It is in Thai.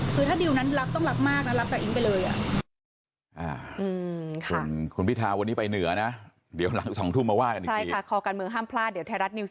คือถ้าดิวนั้นรักต้องรักมากนะรับจากอิ๊งไปเลย